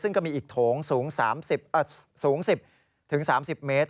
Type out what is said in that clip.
ซึ่งก็มีอีกโถงสูง๑๐๓๐เมตร